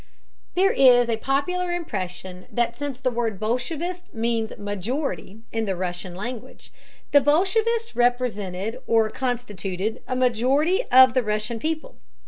There is a popular impression that since the word bolshevist means "majority" in the Russian language, the bolshevists represented or constituted a majority of the Russian people.